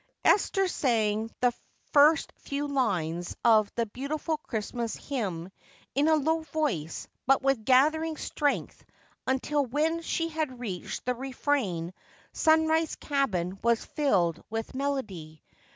Esther sang the first few lines of the beautiful Christmas hymn in a low voice but with gathering strength until when she had reached the refrain Sunrise cabin was filled with melody.